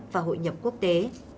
và hội nhập quốc tế